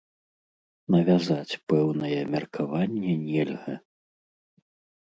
Навязаць пэўнае меркаванне нельга.